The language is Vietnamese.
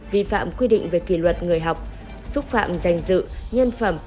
vi phạm quy định về kỷ luật người học xúc phạm danh dự nhân phẩm